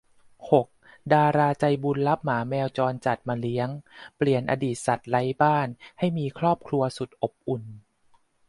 หก ดาราใจบุญรับหมาแมวจรจัดมาเลี้ยง เปลี่ยนอดีตสัตว์ไร้บ้านให้มีครอบครัวสุดอบอุ่น